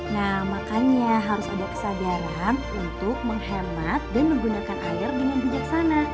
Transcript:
nah makanya harus ada kesadaran untuk menghemat dan menggunakan air dengan bijaksana